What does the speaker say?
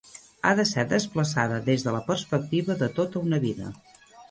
Ha de ser desplaçada des de la perspectiva de tota una vida.